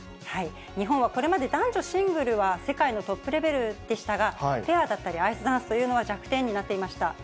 日本はこれまで、男女シングルは世界のトップレベルでしたが、ペアだったり、アイスダンスというのは弱点になっていました。